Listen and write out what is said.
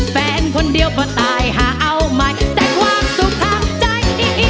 แฟนคนเดียวก็ตายหาเอาใหม่แต่ความสุขทางใจดี